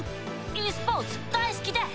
ｅスポーツ大好きです！